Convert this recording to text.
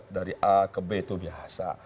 dari a ke b itu biasa